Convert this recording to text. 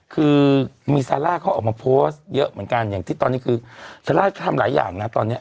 คือมีซาร่าเขาออกมาโพสต์เยอะเหมือนกันอย่างที่ตอนนี้คือซาร่าก็ทำหลายอย่างนะตอนนี้